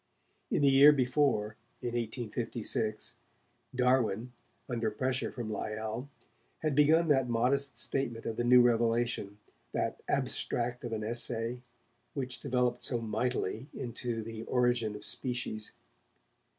In the year before, in 1856, Darwin, under pressure from Lyell, had begun that modest statement of the new revelation, that 'abstract of an essay', which developed so mightily into 'The Origin of Species'.